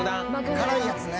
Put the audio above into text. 辛いやつね。